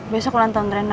besok ulang tahun rena